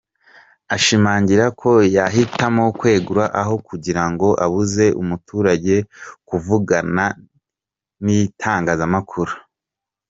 Ashimangira ko yahitamo kwegura aho kugira ngo abuze umuturage kuvugana n’ itangazamakuru.